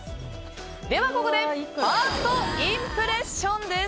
ではここでファーストインプレッションです。